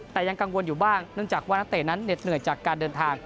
แต่ยังกังวลอยู่บ้างเนื่องจากว่านักเตะนั้นเหน็ดเหนื่อยจากการเดินทาง